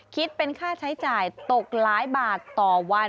คิดเป็นค่าใช้จ่ายตกหลายบาทต่อวัน